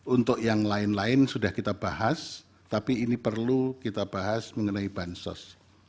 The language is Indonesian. untuk yang lain lain sudah kita bahas tapi ini perlu kita bahas mengenai bansos